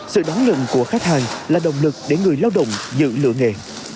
sự đón ngừng của khách hàng là động lực để người lao động dự lựa nghề